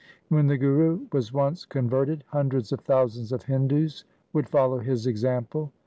When the Guru was once converted, hundreds of thousands of Hindus would follow his example.